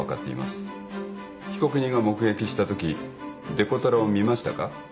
被告人が目撃したときデコトラを見ましたか。